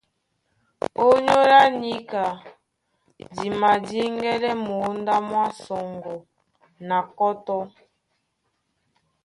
Ónyólá níka di madíŋgɛ́lɛ́ mǒndá mwá sɔŋgɔ na kɔ́tɔ́.